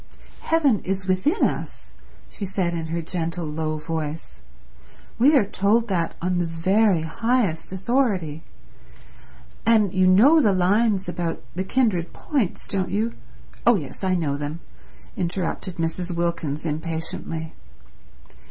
"Heaven is within us," she said in her gentle low voice. "We are told that on the very highest authority. And you know the lines about the kindred points, don't you—" "Oh yes, I know them," interrupted Mrs. Wilkins impatiently.